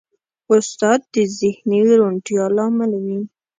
استاد د ذهني روڼتیا لامل وي.